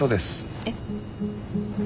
えっ。